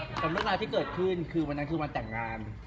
กับเรื่องราวที่เกิดขึ้นคือวันนั้นคือวันแต่งงาน